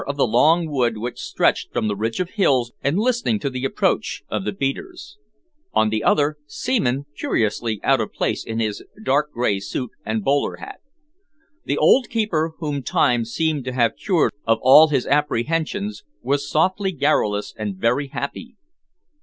On one side of him stood Middleton, leaning on his ash stick and listening to the approach of the beaters; on the other, Seaman, curiously out of place in his dark grey suit and bowler hat. The old keeper, whom time seemed to have cured of all his apprehensions, was softly garrulous and very happy.